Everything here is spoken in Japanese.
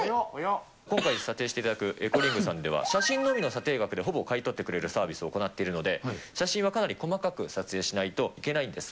今回査定していただくエコリングさんでは、写真のみの査定額でほぼ買い取ってくれるサービスを行っているので、写真はかなり細かく撮影しないといけないんです。